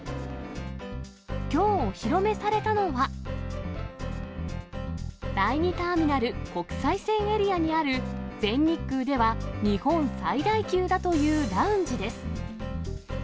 きょうお披露目されたのは、第２ターミナル国際線エリアにある、全日空では日本最大級だというラウンジです。